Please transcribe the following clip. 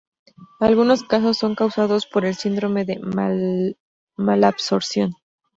Algunos casos son causados por el síndrome de malabsorción.